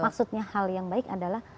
maksudnya hal yang baik adalah